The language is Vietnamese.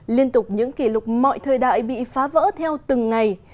liên tục những kỷ lục mọi thời đại bị phá vỡ theo từng ngày